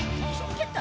蹴った！